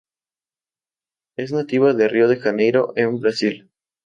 Es nativa de Río de Janeiro en Brasil.